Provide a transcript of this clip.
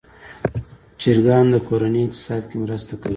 چرګان د کورنۍ اقتصاد کې مرسته کوي.